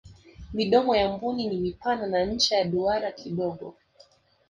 midomo ya mbuni ni mipana na ncha ya duara kidogo